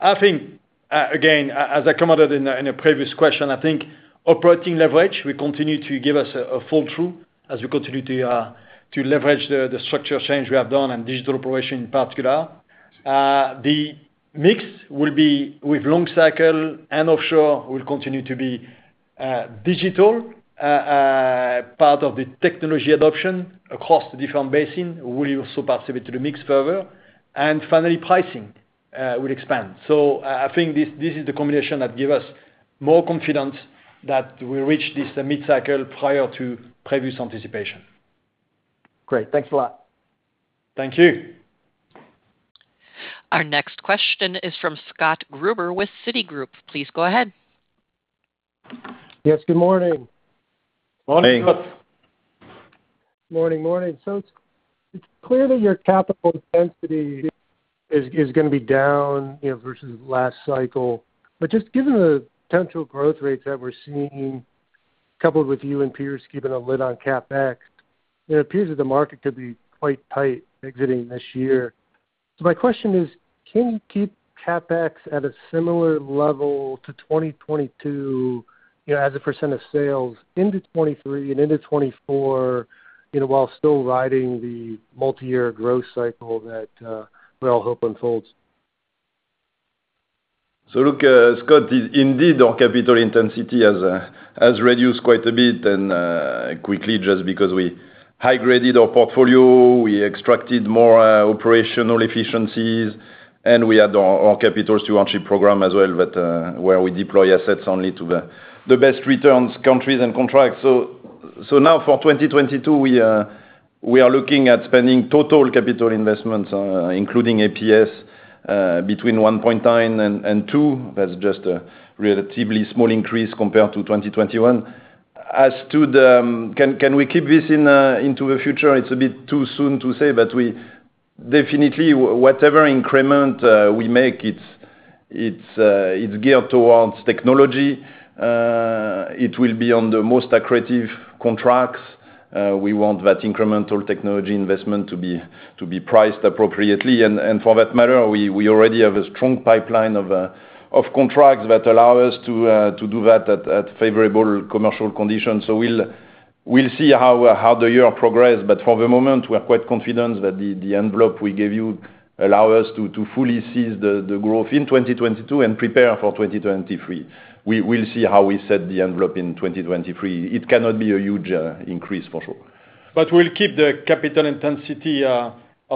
Speaker 3: I think, again, as I commented in a previous question, I think operating leverage will continue to give us a fall through as we continue to leverage the structure change we have done and digital operation in particular. The mix will be with long cycle and offshore will continue to be digital. Part of the technology adoption across the different basin will also contribute to the mix further. Finally, pricing will expand. I think this is the combination that give us more confidence that we reach this mid-cycle prior to previous anticipation.
Speaker 8: Great. Thanks a lot.
Speaker 3: Thank you.
Speaker 1: Our next question is from Scott Gruber with Citigroup. Please go ahead.
Speaker 9: Yes, good morning.
Speaker 4: Morning, Scott.
Speaker 9: Morning. It's clear that your capital intensity is gonna be down, you know, versus last cycle. Just given the potential growth rates that we're seeing, coupled with you and peers keeping a lid on CapEx, it appears that the market could be quite tight exiting this year. My question is, can you keep CapEx at a similar level to 2022, you know, as a percentage of sales into 2023 and into 2024, you know, while still riding the multiyear growth cycle that we all hope unfolds?
Speaker 4: Look, Scott, our capital intensity has indeed reduced quite a bit and quickly just because we high-graded our portfolio, we extracted more operational efficiencies, and we had our capital stewardship program as well that where we deploy assets only to the best returns countries and contracts. Now for 2022, we are looking at spending total capital investments including APS between $1.9 billion and $2 billion. That's just a relatively small increase compared to 2021. As to whether we can keep this going into the future? It's a bit too soon to say, but we definitely whatever increment we make, it's geared towards technology. It will be on the most accretive contracts. We want that incremental technology investment to be priced appropriately. For that matter, we already have a strong pipeline of contracts that allow us to do that at favorable commercial conditions. We'll see how the year progress. For the moment, we're quite confident that the envelope we gave you allow us to fully seize the growth in 2022 and prepare for 2023. We'll see how we set the envelope in 2023. It cannot be a huge increase for sure.
Speaker 3: We'll keep the capital intensity of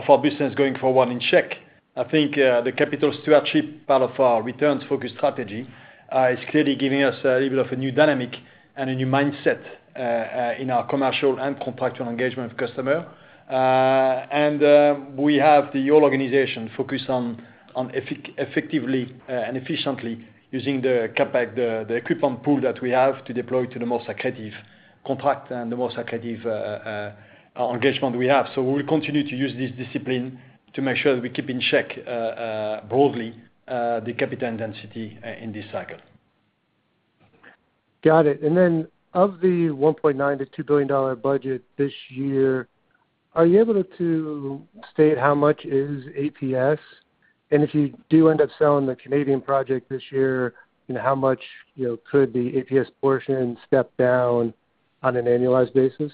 Speaker 3: our business going forward in check. I think the capital stewardship part of our returns-focused strategy is clearly giving us a level of a new dynamic and a new mindset in our commercial and contractual engagement with customer. We have the whole organization focused on effectively and efficiently using the CapEx, the equipment pool that we have to deploy to the most accretive contract and the most accretive engagement we have. We'll continue to use this discipline to make sure that we keep in check broadly the capital intensity in this cycle.
Speaker 9: Got it. Of the $1.9 billion-$2 billion budget this year, are you able to state how much is APS? If you do end up selling the Canadian project this year, you know, how much, you know, could the APS portion step down on an annualized basis?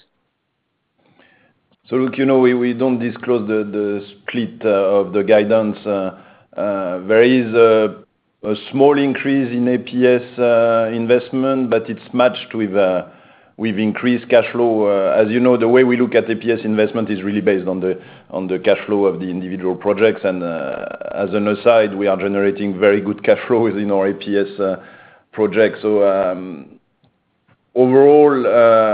Speaker 4: Look, you know, we don't disclose the split of the guidance. There is a small increase in APS investment, but it's matched with increased cash flow. As you know, the way we look at APS investment is really based on the cash flow of the individual projects. As an aside, we are generating very good cash flows in our APS project. Overall,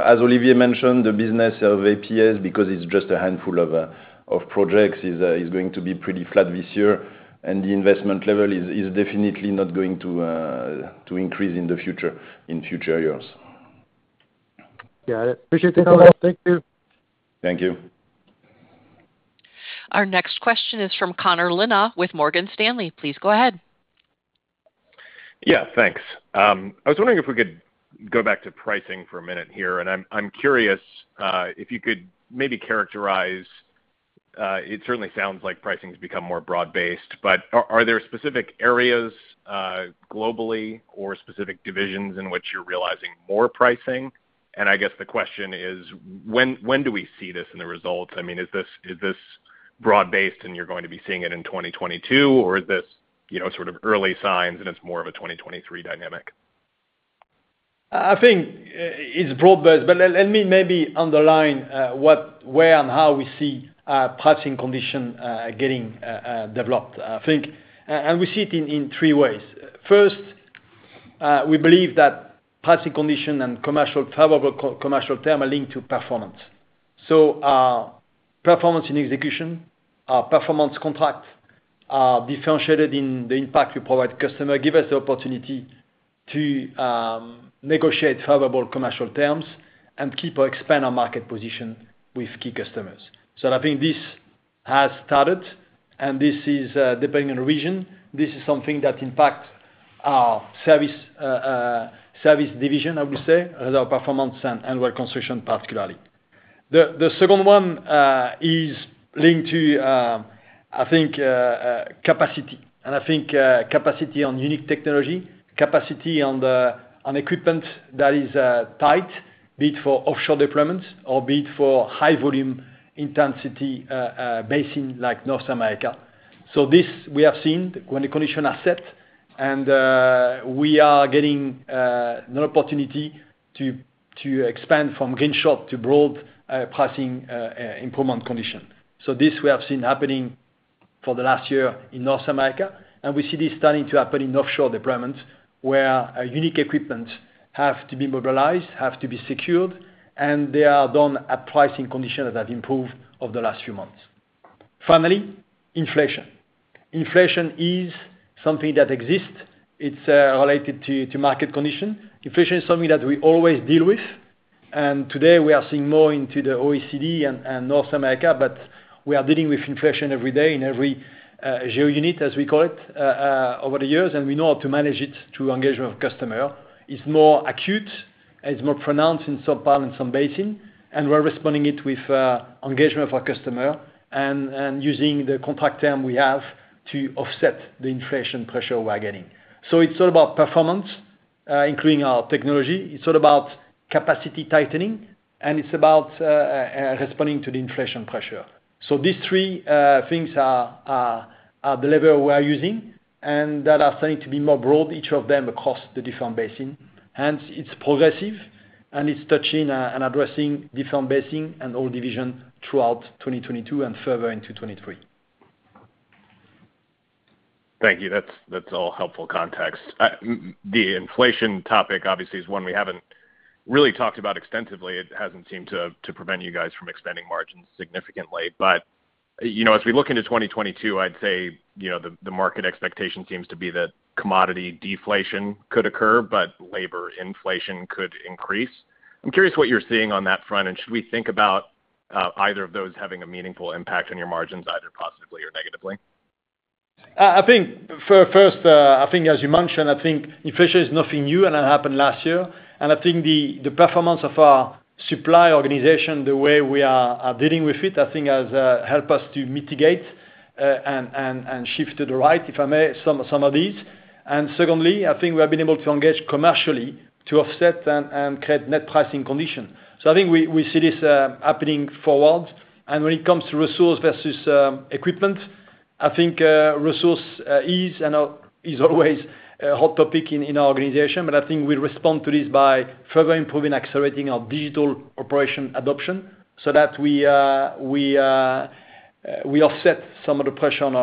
Speaker 4: as Olivier mentioned, the business of APS because it's just a handful of projects is going to be pretty flat this year, and the investment level is definitely not going to increase in the future, in future years.
Speaker 9: Got it. Appreciate the knowledge. Thank you.
Speaker 4: Thank you.
Speaker 1: Our next question is from Connor Lynagh with Morgan Stanley. Please go ahead.
Speaker 10: Yeah, thanks. I was wondering if we could go back to pricing for a minute here, and I'm curious if you could maybe characterize it certainly sounds like pricing's become more broad-based, but are there specific areas globally or specific divisions in which you're realizing more pricing? And I guess the question is when do we see this in the results? I mean, is this broad-based and you're going to be seeing it in 2022, or is this, you know, sort of early signs and it's more of a 2023 dynamic?
Speaker 3: I think it's broad-based, but let me maybe underline what, where, and how we see pricing conditions getting developed. We see it in three ways. First, we believe that pricing conditions and favorable commercial terms are linked to performance. Performance in execution, performance contracts are differentiated in the impact we provide customers give us the opportunity to negotiate favorable commercial terms and keep or expand our market position with key customers. I think this has started, and this is, depending on region, something that impacts our service division, I would say, Reservoir Performance and Well Construction particularly. The second one is linked to, I think, capacity, and I think, capacity on unique technology, capacity on the, on equipment that is tight, be it for offshore deployments or be it for high volume intensity basin like North America. This we have seen when the conditions are set and we are getting an opportunity to expand from green shoots to broad pricing improvement condition. This we have seen happening for the last year in North America, and we see this starting to happen in offshore deployments, where our unique equipment have to be mobilized, have to be secured, and they are done at pricing conditions that have improved over the last few months. Finally, inflation. Inflation is something that exists. It's related to market condition. Inflation is something that we always deal with, and today we are seeing more into the OECD and North America, but we are dealing with inflation every day in every GeoUnit, as we call it, over the years, and we know how to manage it through engagement of customer. It's more acute and it's more pronounced in some part, in some basin, and we're responding it with engagement of our customer and using the contract term we have to offset the inflation pressure we're getting. It's all about performance, including our technology. It's all about capacity tightening, and it's about responding to the inflation pressure. These three things are the lever we are using and that are starting to be more broad, each of them across the different basin. Hence, it's progressive and it's touching, and addressing different basin and all division throughout 2022 and further into 2023.
Speaker 10: Thank you. That's all helpful context. The inflation topic obviously is one we haven't really talked about extensively. It hasn't seemed to prevent you guys from expanding margins significantly. You know, as we look into 2022, I'd say, you know, the market expectation seems to be that commodity deflation could occur, but labor inflation could increase. I'm curious what you're seeing on that front, and should we think about either of those having a meaningful impact on your margins, either positively or negatively?
Speaker 3: I think first, as you mentioned, I think inflation is nothing new, and that happened last year. I think the performance of our supply organization, the way we are dealing with it, I think has helped us to mitigate and shift to the right, if I may, some of these. Secondly, I think we have been able to engage commercially to offset and create net pricing condition. I think we see this happening forward. When it comes to resource versus equipment, I think resource is always a hot topic in our organization. I think we respond to this by further improving, accelerating our digital operation adoption so that we offset some of the pressure on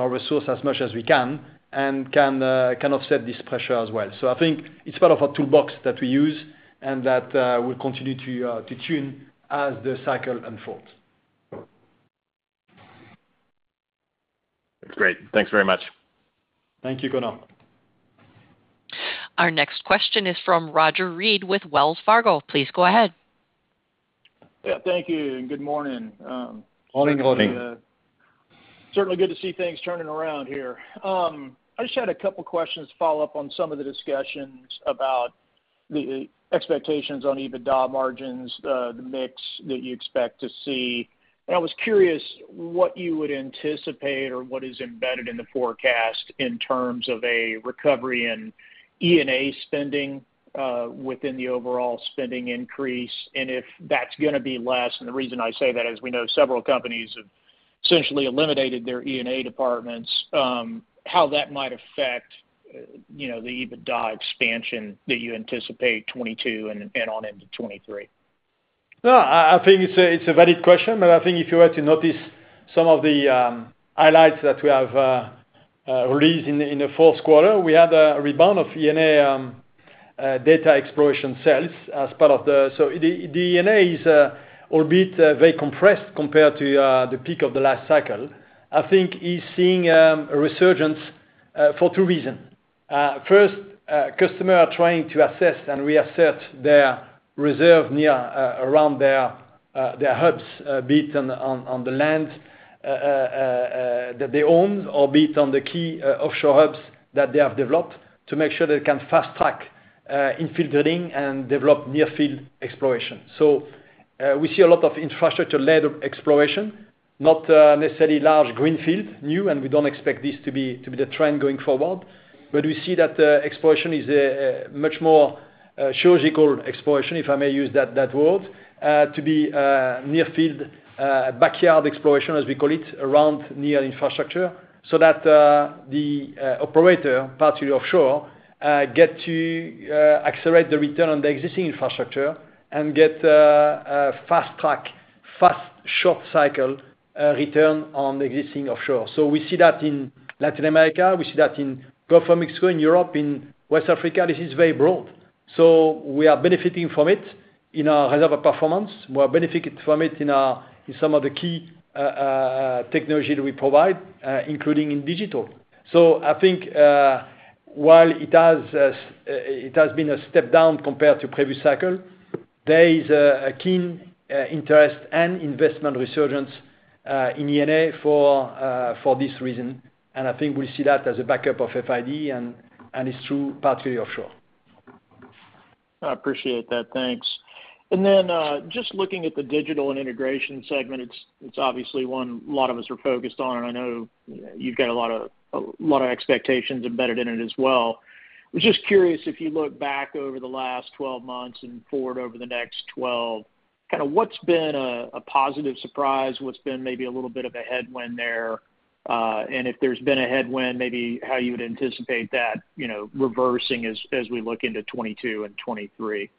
Speaker 3: our resource as much as we can and can offset this pressure as well. I think it's part of a toolbox that we use and that we'll continue to tune as the cycle unfolds.
Speaker 10: Great. Thanks very much.
Speaker 3: Thank you, Connor.
Speaker 1: Our next question is from Roger Read with Wells Fargo. Please go ahead.
Speaker 11: Yeah, thank you, and good morning.
Speaker 3: Good morning.
Speaker 11: Certainly good to see things turning around here. I just had a couple questions to follow up on some of the discussions about the expectations on EBITDA margins, the mix that you expect to see. I was curious what you would anticipate or what is embedded in the forecast in terms of a recovery in E&A spending, within the overall spending increase, and if that's gonna be less. The reason I say that is we know several companies have essentially eliminated their E&A departments, how that might affect, you know, the EBITDA expansion that you anticipate 2022 and on into 2023.
Speaker 3: No, I think it's a valid question, but I think if you were to notice some of the highlights that we have released in the fourth quarter, we had a rebound of E&A data exploration sales as part of the... The E&A is, albeit very compressed compared to the peak of the last cycle. I think it is seeing a resurgence for two reasons. First, customers are trying to assess and reassert their reserves near around their hubs, be it on land that they own, or be it on the key offshore hubs that they have developed to make sure they can fast track in filtering and develop near- field exploration. We see a lot of infrastructure-led exploration, not necessarily large greenfield, new, and we don't expect this to be the trend going forward. We see that exploration is a much more surgical exploration, if I may use that word, to be near-field, backyard exploration, as we call it, around near infrastructure, so that the operator, partly offshore, get to accelerate the return on the existing infrastructure and get a fast track, short cycle return on existing offshore. We see that in Latin America. We see that in Gulf of Mexico, in Europe, in West Africa. This is very broad. We are benefiting from it in our Reservoir Performance. We are benefiting from it in some of the key technology that we provide, including in digital. I think while it has been a step down compared to previous cycle, there is a keen interest and investment resurgence in E&A for this reason. I think we see that as a backup of FID, and it's through partly offshore.
Speaker 11: I appreciate that. Thanks. Just looking at the Digital & Integration segment, it's obviously one a lot of us are focused on, and I know you've got a lot of expectations embedded in it as well. I was just curious if you look back over the last 12 months and forward over the next 12 months, kinda what's been a positive surprise? What's been maybe a little bit of a headwind there? If there's been a headwind, maybe how you would anticipate that, you know, reversing as we look into 2022 and 2023.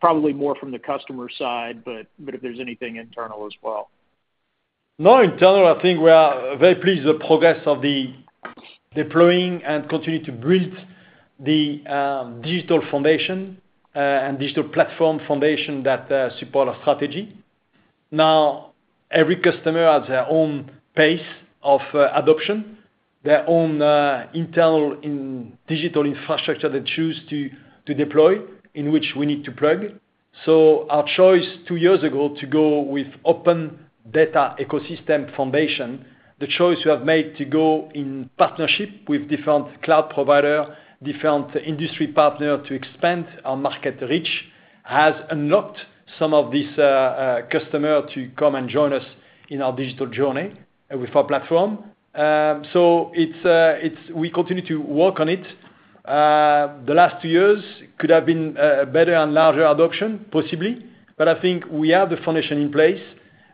Speaker 11: Probably more from the customer side, but if there's anything internal as well.
Speaker 3: No, internally, I think we are very pleased with the progress of deploying and continue to build the digital foundation and digital platform foundation that support our strategy. Every customer has their own pace of adoption, their own internal digital infrastructure they choose to deploy in which we need to plug. Our choice two years ago to go with open data ecosystem foundation, the choice we have made to go in partnership with different cloud provider, different industry partner to expand our market reach, has unlocked some of these customers to come and join us in our digital journey with our platform. It's we continue to work on it. The last two years could have been better and larger adoption possibly, but I think we have the foundation in place.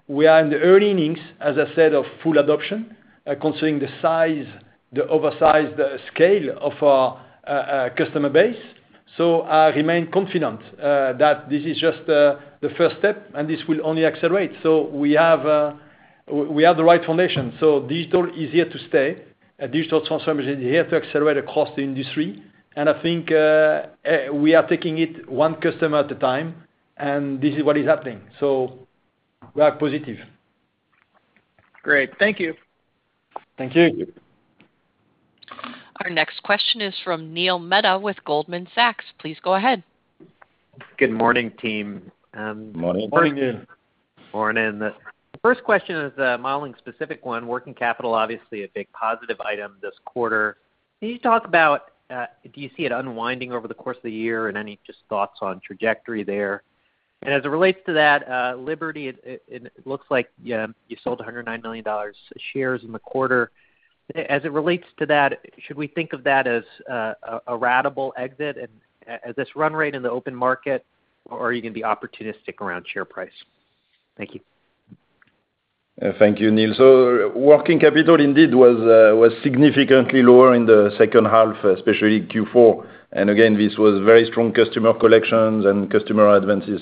Speaker 3: We are in the early innings, as I said, of full adoption, considering the size, the oversized scale of our customer base. I remain confident that this is just the first step, and this will only accelerate. We have the right foundation. Digital is here to stay, and digital transformation is here to accelerate across the industry. I think we are taking it one customer at a time, and this is what is happening. We are positive.
Speaker 11: Great. Thank you.
Speaker 3: Thank you.
Speaker 1: Our next question is from Neil Mehta with Goldman Sachs. Please go ahead.
Speaker 12: Good morning, team.
Speaker 4: Morning.
Speaker 3: Morning, Neil.
Speaker 12: Morning. The first question is a modeling specific one, working capital obviously a big positive item this quarter. Can you talk about do you see it unwinding over the course of the year, and any just thoughts on trajectory there? As it relates to that, Liberty, it looks like you sold $109 million shares in the quarter. As it relates to that, should we think of that as a ratable exit and at this run rate in the open market, or are you gonna be opportunistic around share price? Thank you.
Speaker 4: Thank you, Neil. Working capital indeed was significantly lower in the second half, especially Q4. Again, this was very strong customer collections and customer advances.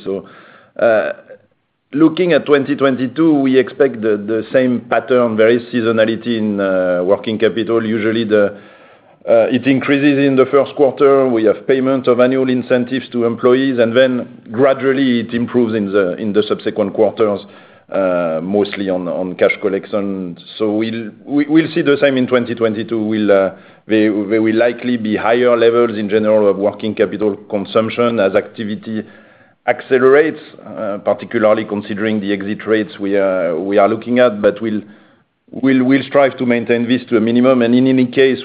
Speaker 4: Looking at 2022, we expect the same pattern, very seasonality in working capital. Usually it increases in the first quarter. We have payment of annual incentives to employees, and then gradually it improves in the subsequent quarters, mostly on cash collection. We'll see the same in 2022. We will likely be higher levels in general of working capital consumption as activity accelerates, particularly considering the exit rates we are looking at. We'll strive to maintain this to a minimum. In any case,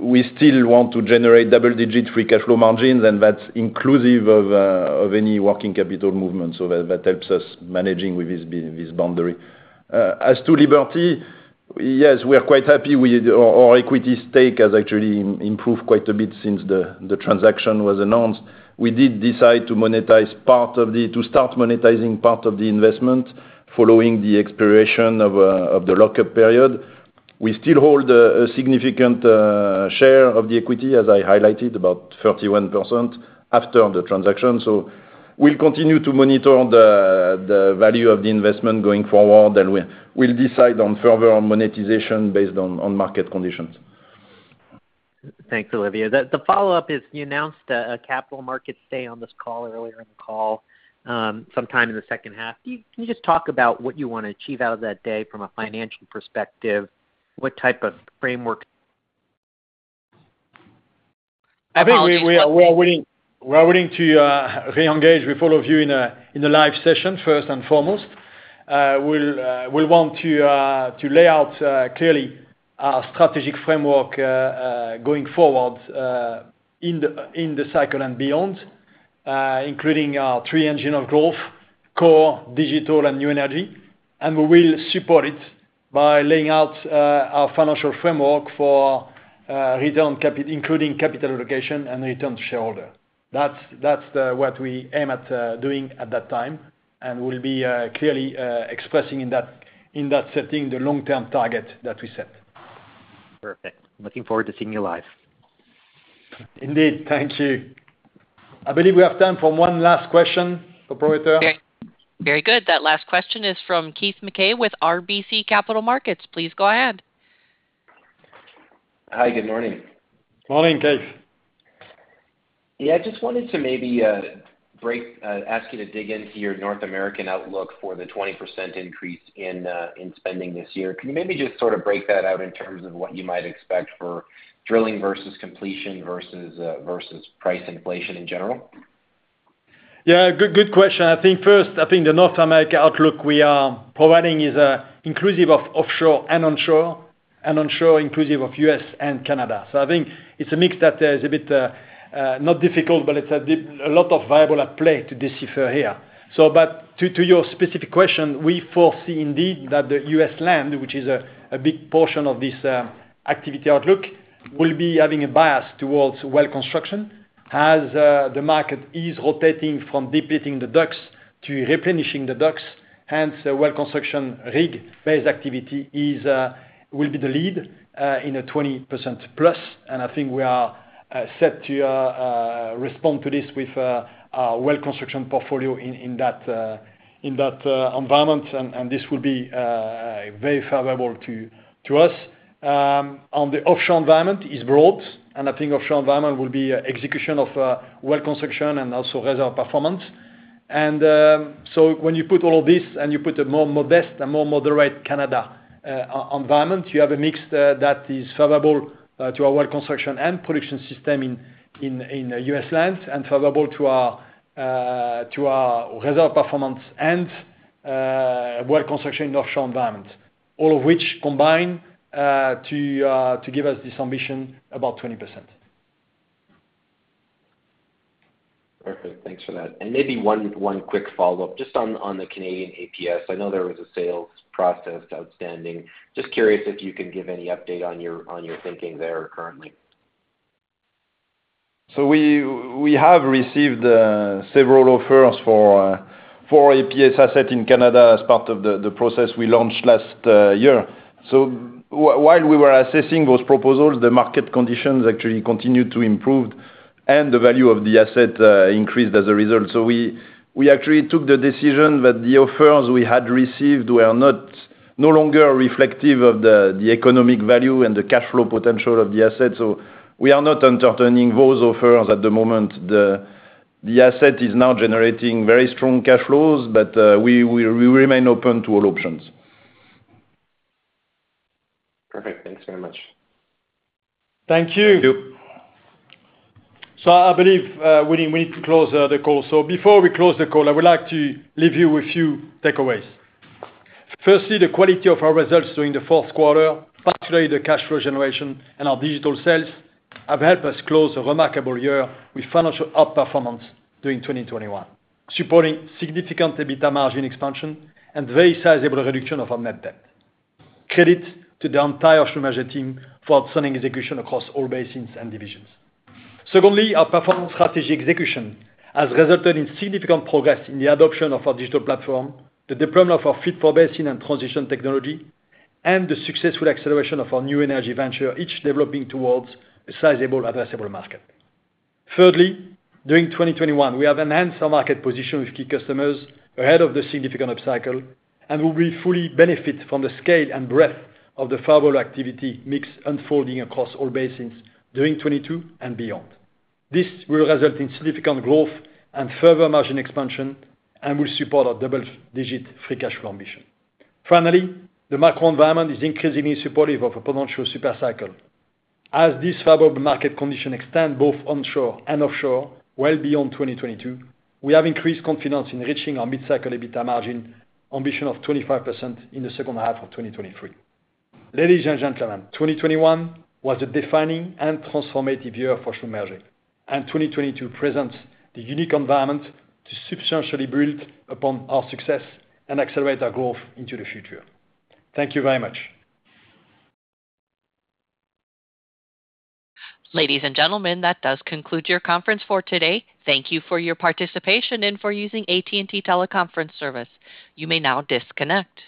Speaker 4: we still want to generate double-digit free cash flow margins, and that's inclusive of any working capital movement. That helps us manage with this boundary. As to Liberty, yes, we are quite happy with our equity stake has actually improved quite a bit since the transaction was announced. We did decide to monetize part of the investment following the expiration of the lock-up period. We still hold a significant share of the equity, as I highlighted, about 31% after the transaction. We'll continue to monitor the value of the investment going forward, and we'll decide on further monetization based on market conditions.
Speaker 12: Thanks, Olivier. The follow-up is, you announced a Capital Markets Day on this call, earlier in the call, sometime in the second half. Can you just talk about what you wanna achieve out of that day from a financial perspective? What type of framework?
Speaker 3: I think we are willing to re-engage with all of you in a live session, first and foremost. We'll want to lay out clearly our strategic framework going forward in the cycle and beyond, including our three engines of growth, Core, Digital and New Energy. We will support it by laying out our financial framework for returning capital, including capital allocation and returns to shareholders. That's what we aim at doing at that time. We'll be clearly expressing in that setting the long-term target that we set.
Speaker 12: Perfect. Looking forward to seeing you live.
Speaker 3: Indeed. Thank you. I believe we have time for one last question, operator.
Speaker 1: Very good. That last question is from Keith Mackey with RBC Capital Markets. Please go ahead.
Speaker 13: Hi, good morning.
Speaker 3: Morning, Keith.
Speaker 13: Yeah, I just wanted to maybe ask you to dig into your North American outlook for the 20% increase in spending this year. Can you maybe just sort of break that out in terms of what you might expect for drilling versus completion versus price inflation in general?
Speaker 3: Yeah, good question. I think first, the North America outlook we are providing is inclusive of offshore and onshore, and onshore inclusive of U.S. and Canada. I think it's a mix that is a bit not difficult, but it's a bit, a lot of variables at play to decipher here. To your specific question, we foresee indeed that the U.S. land, which is a big portion of this activity outlook, will be having a bias towards well construction as the market is rotating from depleting the DUCs to replenishing the DUCs. Hence, the well construction rig-based activity will be the lead in a 20%+. I think we are set to respond to this with our Well Construction portfolio in that environment, and this will be very favorable to us. The offshore environment is broad, and I think offshore environment will be execution of Well Construction and also Reservoir Performance. When you put all this and you put a more modest and more moderate Canadian environment, you have a mix that is favorable to our Well Construction and Production Systems in U.S. lands and favorable to our Reservoir Performance and Well Construction in offshore environment, all of which combine to give us this ambition about 20%.
Speaker 13: Perfect. Thanks for that. Maybe one quick follow-up just on the Canadian APS. I know there was a sales process outstanding. Just curious if you can give any update on your thinking there currently.
Speaker 4: We have received several offers for APS asset in Canada as part of the process we launched last year. While we were assessing those proposals, the market conditions actually continued to improve and the value of the asset increased as a result. We actually took the decision that the offers we had received were no longer reflective of the economic value and the cash flow potential of the asset. We are not entertaining those offers at the moment. The asset is now generating very strong cash flows, but we remain open to all options.
Speaker 13: Perfect. Thanks very much.
Speaker 3: Thank you.
Speaker 4: Thank you.
Speaker 3: I believe we need to close the call. Before we close the call, I would like to leave you a few takeaways. Firstly, the quality of our results during the fourth quarter, particularly the cash flow generation and our digital sales, have helped us close a remarkable year with financial outperformance during 2021, supporting significant EBITDA margin expansion and very sizable reduction of our net debt. Credit to the entire Schlumberger team for outstanding execution across all basins and divisions. Secondly, our performance strategy execution has resulted in significant progress in the adoption of our digital platform, the deployment of our fit for basin and transition technology, and the successful acceleration of our new energy venture, each developing towards a sizable addressable market. Thirdly, during 2021, we have enhanced our market position with key customers ahead of the significant upcycle and will fully benefit from the scale and breadth of the favorable activity mix unfolding across all basins during 2022 and beyond. This will result in significant growth and further margin expansion and will support our double-digit free cash flow ambition. Finally, the macro environment is increasingly supportive of a potential super cycle. As this favorable market conditions extend both onshore and offshore, well beyond 2022, we have increased confidence in reaching our mid-cycle EBITDA margin ambition of 25% in the second half of 2023. Ladies and gentlemen, 2021 was a defining and transformative year for Schlumberger, and 2022 presents the unique environment to substantially build upon our success and accelerate our growth into the future. Thank you very much.
Speaker 1: Ladies and gentlemen, that does conclude your conference for today. Thank you for your participation and for using AT&T teleconference service. You may now disconnect.